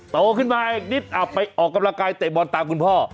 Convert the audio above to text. โตขึ้นมาอีกนิดอับไปออกกำลังกายเตะบอลตามคุณพ่อ